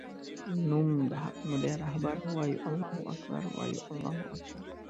نوم د حق مودی رهبر وایو الله اکبر وایو الله اکبر